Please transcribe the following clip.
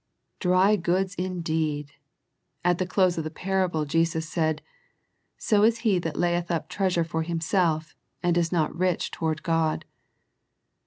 Dry goods indeed ! At the close of the parable Jesus said, " So is he that layeth up treasure for himself, and is not rich toward God."